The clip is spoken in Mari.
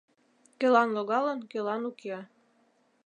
Кӧлан логалын, кӧлан уке.